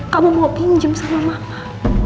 kamu mau pinjem sama mama